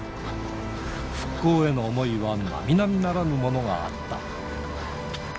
復興への想いはなみなみならぬものがあった。